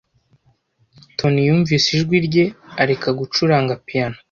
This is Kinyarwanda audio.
Tony yumvise ijwi rye areka gucuranga piyano.